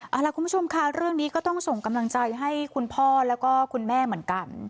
เอาล่ะคุณผู้ชมค่ะเรื่องนี้ก็ต้องส่งกำลังใจให้คุณพ่อแล้วก็คุณแม่เหมือนกัน